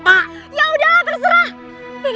emak yang nyalahin bapak